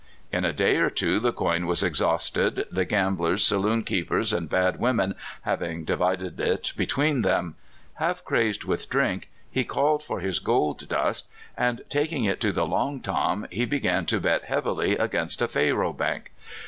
In a day or two the coin was exhausted, the gamblers, saloon keepers, and bad women hav ing divided it between them. Half crazed with drink, he called for his gold dust, and taking it to the " Long Tom," he began to bet heavily against a faro bank.